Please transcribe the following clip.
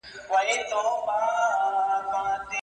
ما ته دي نه ګوري قلم قلم یې کړمه